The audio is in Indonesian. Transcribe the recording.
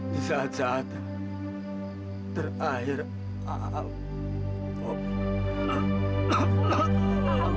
di saat saat terakhir allah